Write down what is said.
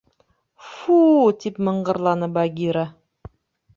— Фу-у, — тип мыңғырланы Багира.